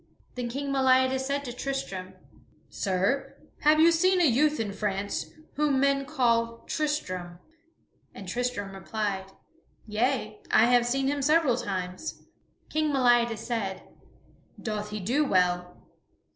Then King Meliadus said to Tristram: "Sir, have you seen a youth in France whom men call Tristram?" And Tristram replied, "Yea, I have seen him several times." King Meliadus said, "Doth he do well?"